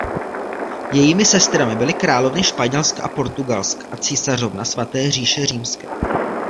Jejími sestrami byly královny Španělska a Portugalska a císařovna Svaté říše římské.